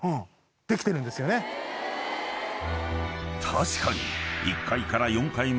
［確かに］